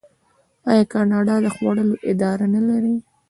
آیا کاناډا د خوړو اداره نلري؟